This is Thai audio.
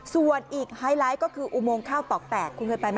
ส่วนอีกไฮไลท์ก็คืออุโมงข้าวตอกแตกคุณเคยไปไหม